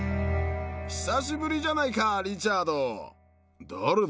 久しぶりじゃないか、リチャ誰だ？